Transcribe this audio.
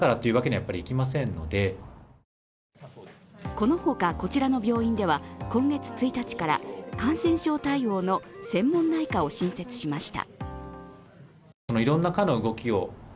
このほか、こちらの病院では今月１日から感染症対応の専門内科を新設しました。